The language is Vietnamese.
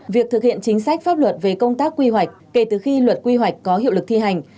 việc thực hiện chính sách pháp luật về công tác quy hoạch kể từ khi luật quy hoạch có hiệu lực thi hành